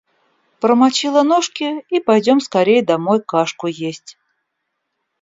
Промочила ножки и пойдем скорее домой кашку есть.